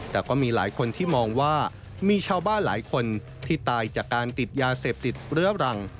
แต่ก็มีหลายคนที่มองว่ามีชาวบ้านหลายคนที่ตายจากการติดยาเสพติดเรื้อรัง